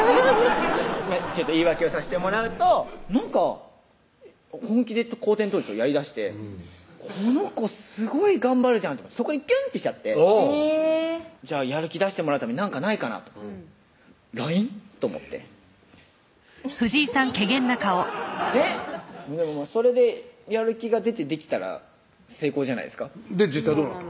ちょっと言い訳をさしてもらうとなんか本気で後転倒立をやりだしてこの子すごい頑張るじゃんってそこにキュンってしちゃってじゃあやる気出してもらうために何かないかなとＬＩＮＥ？と思ってそうそれでやる気が出てできたら成功じゃないですか実際どうなったの？